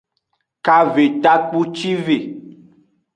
Kave takpucive.